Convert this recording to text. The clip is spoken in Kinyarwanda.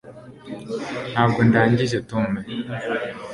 ntabwo ndangije tom